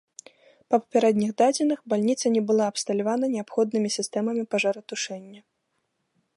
Па папярэдніх дадзеных, бальніца не была абсталявана неабходнымі сістэмамі пажаратушэння.